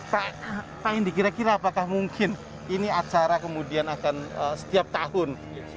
pak apa yang dikira kira apakah mungkin ini acara kemudian akan setiap tahun